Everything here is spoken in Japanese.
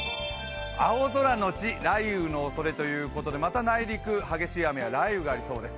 青空のち雷雨のおそれということでまた内陸激しい雨や雷雨がありそうです。